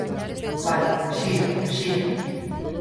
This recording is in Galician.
Vale, xira, xira.